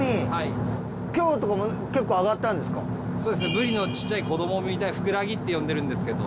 ブリのちっちゃい子どもみたいなフクラギって呼んでるんですけど。